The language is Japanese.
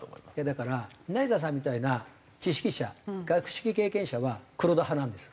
だから成田さんみたいな知識者学識経験者は黒田派なんです。